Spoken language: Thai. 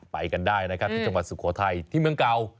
ไปกันได้นะครับที่จังหวัดสุโขทัยที่เมืองเก่า